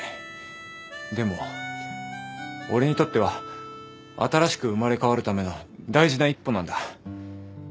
でも俺にとっては新しく生まれ変わるための大事な一歩なんだ。